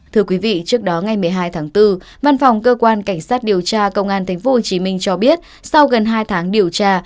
thưa quý vị trước đó ngày một mươi hai tháng bốn văn phòng cơ quan cảnh sát điều tra công an tp hcm cho biết sau gần hai tháng điều tra